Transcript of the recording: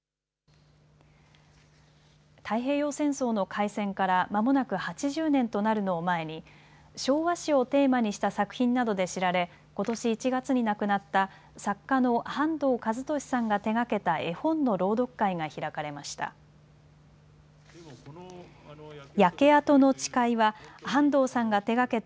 太平洋戦争の開戦からまもなく８０年となるのを前に昭和史をテーマにした作品などで知られ、ことし１月に亡くなった作家の半藤一利さんが手がけた絵本の朗読会が開かれました。